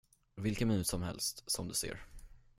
Vilken minut som helst, som du ser.